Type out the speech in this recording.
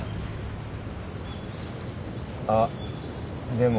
あっでも。